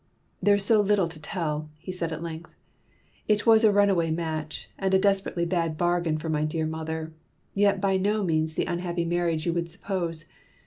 "There's so little to tell," he said at length. "It was a runaway match, and a desperately bad bargain for my dear mother, yet by no means the unhappy marriage you would suppose.